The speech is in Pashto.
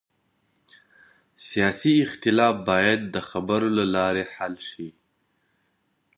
سیاسي اختلاف باید د خبرو له لارې حل شي